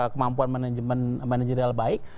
kemampuan manajerial baik